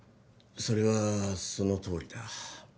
それはそのとおりだ